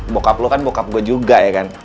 bokap lo kan bokap gue juga ya kan